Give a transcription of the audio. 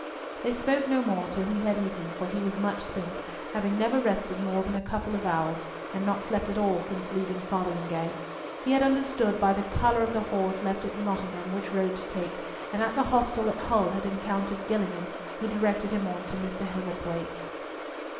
They spoke no more till he had eaten, for he was much spent, having never rested more than a couple of hours, and not slept at all since leaving Fotheringhay. He had understood by the colour of the horse left at Nottingham which road to take, and at the hostel at Hull had encountered Gillingham, who directed him on to Mr. Heatherthwayte's.